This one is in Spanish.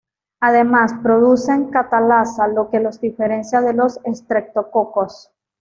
Además, producen catalasa, lo que los diferencia de los estreptococos.